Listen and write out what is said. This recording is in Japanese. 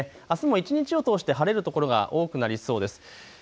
あすも一日を通して晴れる所が多くなりそうです。